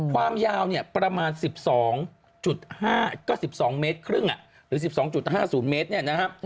ความยาวเนี่ยประมาณ๑๒๕ก็๑๒เมตรครึ่งหรือ๑๒๕๐เมตรเนี่ยนะครับ